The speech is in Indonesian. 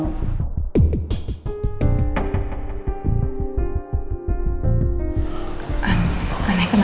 tapi tetap saja ibu sarah tidak mau